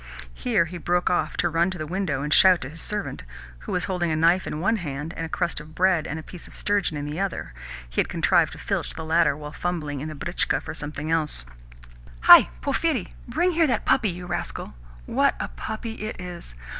Here he broke off to run to the window and shout to his servant (who was holding a knife in one hand and a crust of bread and a piece of sturgeon in the other he had contrived to filch the latter while fumbling in the britchka for something else): "Hi, Porphyri! Bring here that puppy, you rascal! What a puppy it is!